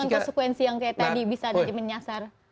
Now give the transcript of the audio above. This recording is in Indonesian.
dengan konsekuensi yang kayak tadi bisa menyasar